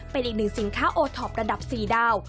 เป็นอีกหนึ่งสินค้าโอท็อประดับ๔ดาว